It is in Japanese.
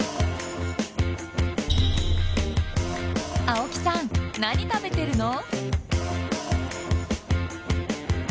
青木さん何食べてるの？